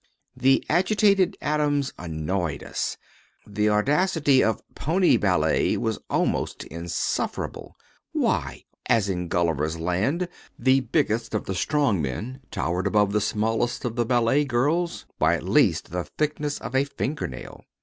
The agitated atoms annoyed us. The audacity of "pony ballet" was almost insufferable. Why, as in Gulliver's land, the biggest of the strong men towered above the smallest of the ballet girls by at least the thickness of a fingernail.